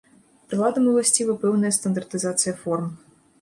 Прыладам уласціва пэўная стандартызацыя форм.